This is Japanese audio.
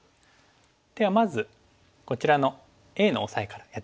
ではまずこちらのＡのオサエからやっていきましょう。